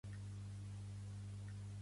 Vull canviar rus a català.